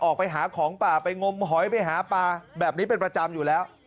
ออกไปหาของป่าไปงมหอยไปหาปลาแบบนี้เป็นประจำอยู่แล้ว